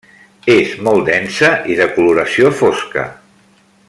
És molt densa i de coloració fosca.